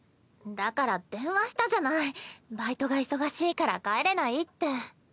だから電話したじゃないバイトが忙しいから帰れないって。